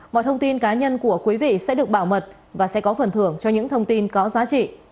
mọi thông tin cá nhân của quý vị sẽ được bảo mật và sẽ có phần thưởng cho những thông tin có giá trị